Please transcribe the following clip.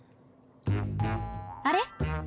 あれ？